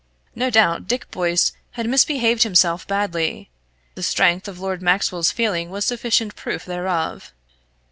No doubt Dick Boyce had misbehaved himself badly the strength of Lord Maxwell's feeling was sufficient proof thereof.